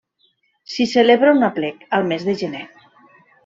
S'hi celebra un aplec al mes de gener.